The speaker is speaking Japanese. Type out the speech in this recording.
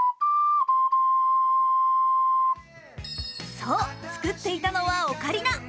そう、作っていたのはオカリナ。